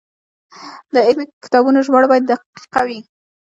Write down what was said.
د علمي کتابونو ژباړه باید دقیقه وي.